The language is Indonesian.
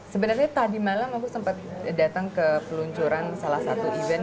sebenarnya tadi malam aku sempat datang ke peluncuran salah satu event